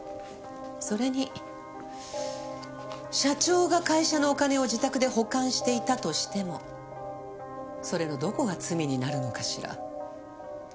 それに社長が会社のお金を自宅で保管していたとしてもそれのどこが罪になるのかしら？